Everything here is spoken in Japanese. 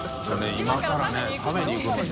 今から食べに行くのに。